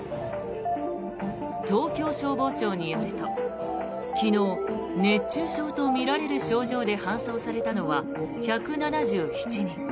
東京消防庁によると昨日、熱中症とみられる症状で搬送されたのは１７７人。